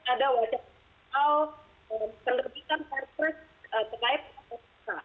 ada wajah soal kenderbitan peristiwa terkait kpk